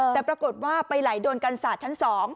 แต่ปรากฏว่าไปไหลโดนกันศาสตร์ชั้น๒